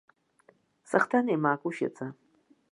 Сахҭан еимаак ушьаҵа.